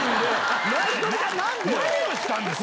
何をしたんですか？